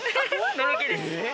のろけです。